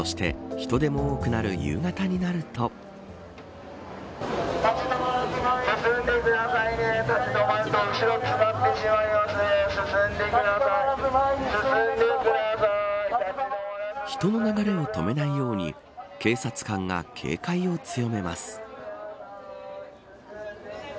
そして人出も多くなる人の流れを止めないように警察官が警戒を強めます。